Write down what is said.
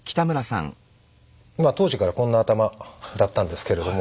当時からこんな頭だったんですけれども。